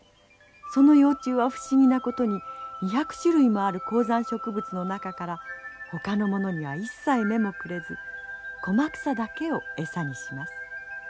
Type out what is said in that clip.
その幼虫は不思議なことに２００種類もある高山植物の中からほかのものには一切目もくれずコマクサだけを餌にします。